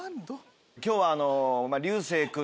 今日は流星君